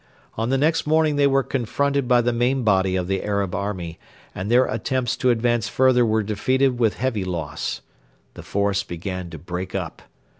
On the next morning they were confronted by the main body of the Arab army, and their attempts to advance further were defeated with heavy loss. The force began to break up.